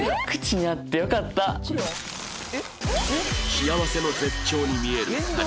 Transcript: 幸せの絶頂に見える２人